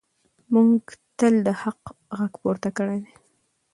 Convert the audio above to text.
موږ تل د حق غږ پورته کړی دی.